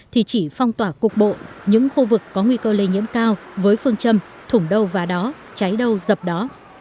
thì chỉ phong tỏa cục bộ những khu vực có nguy cơ lây nhiễm cao với phương châm thủng đâu và đó cháy đâu dập đó